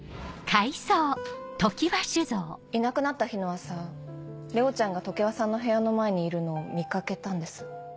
いなくなった日の朝玲緒ちゃんが常葉さんの部屋の前にいるのを見かけたんです。